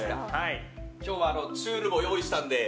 今日はちゅるも用意したので。